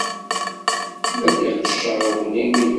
La d-iqeccer uglim-inu.